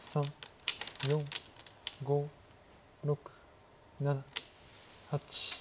４５６７８。